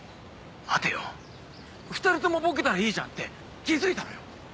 待てよ２人ともボケたらいいじゃんって気付いたのよ。